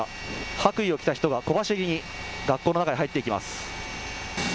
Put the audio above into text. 白衣を着た人が小走りに学校の中へ入っていきます。